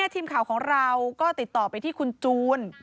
ทีมข่าวของเราก็ติดต่อไปที่คุณจูน